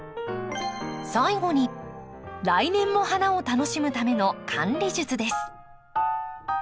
最後に来年も花を楽しむための管理術です。